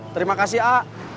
terima kasih a